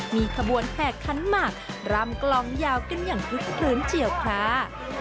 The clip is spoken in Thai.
มีขบวนแผ่ขั้นหมากรำกลองยาวกันอย่างคืนเจียวค้า